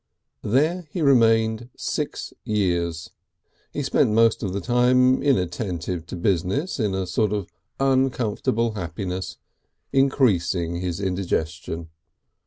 There he remained six years. He spent most of the time inattentive to business, in a sort of uncomfortable happiness, increasing his indigestion.